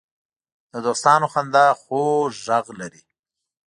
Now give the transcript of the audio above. د دوستانو خندا خوږ غږ لري